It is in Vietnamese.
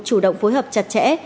chủ động phối hợp chặt chẽ